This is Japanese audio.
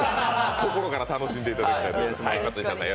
心から楽しんでいただきたいと思います。